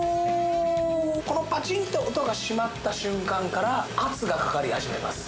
このパチンって音が閉まった瞬間から圧がかかり始めます。